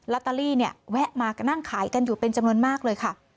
ตเตอรี่เนี่ยแวะมานั่งขายกันอยู่เป็นจำนวนมากเลยค่ะ